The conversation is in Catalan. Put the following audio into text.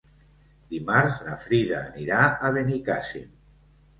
Dimarts na Frida anirà a Benicàssim.